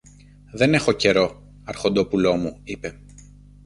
Δεν έχω καιρό, αρχοντόπουλο μου, είπε.